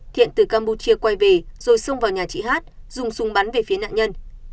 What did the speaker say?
thiện từ campuchia quay về rồi xông vào nhà chị hát dùng súng bắn về phía nạn nhân